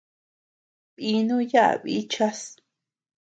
Dínu yaʼa bichas.